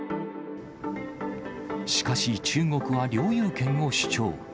しかし、中国は領有権を主張。